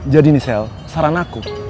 jadi nih sel saran aku